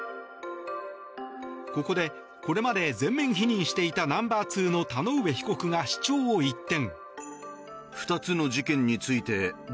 ここで、これまで全面否認していたナンバー２の田上被告が主張を一転。